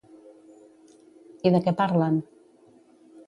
I de què parlen?